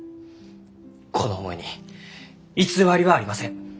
この思いに偽りはありません。